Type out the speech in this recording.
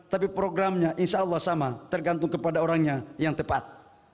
tapi programnya insya allah sama tergantung kepada orangnya yang tepat